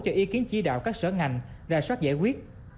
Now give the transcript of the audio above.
cho ý kiến chỉ đạo các sở ngành ra soát giải quyết